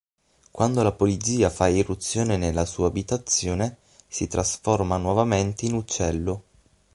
Quando la polizia fa irruzione nella sua abitazione si trasforma nuovamente in uccello.